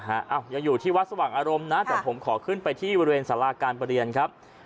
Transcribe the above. ยังอยู่ที่วัดสว่างอารมณ์นะแต่ผมขอขึ้นไปที่บริเวณสาราการประเรียนครับ